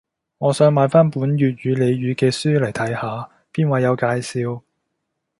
我想買返本粵語俚語嘅書嚟睇下，邊位有介紹